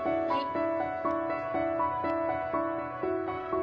はい。